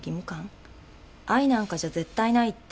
愛なんかじゃ絶対ないって。